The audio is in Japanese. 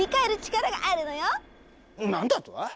何だと！